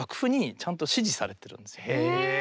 へえ。